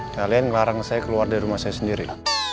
kalian ngelarang saya keluar dari rumah saya sendiri